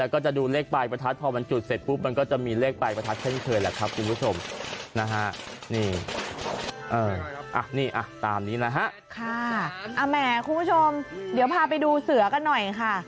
คุณผู้ชมเดี๋ยวพาไปดูเสือกันหน่อยค่ะ